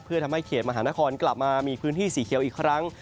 เพื่อทำให้เขตมหานครกลับมามีพื้นที่สีเขียวอีกครั้ง